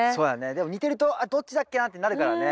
でも似てるとあっどっちだっけなってなるからね。